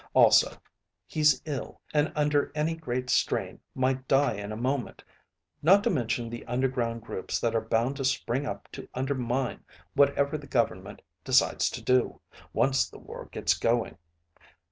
Also, he's ill, and under any great strain, might die in a moment, not to mention the underground groups that are bound to spring up to undermine whatever the government decides to do, once the war gets going.